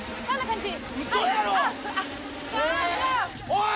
おい！